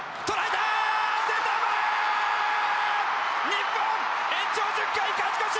日本延長１０回勝ち越し！